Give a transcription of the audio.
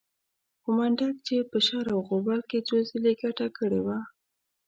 خو منډک چې په شر او غوبل کې څو ځله ګټه کړې وه.